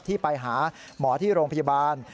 ที่ไปหาหมอที่โรงพยาบาล